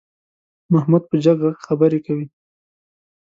محمود په جګ غږ خبرې کوي.